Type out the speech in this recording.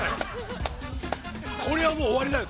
これはもうおわりだよ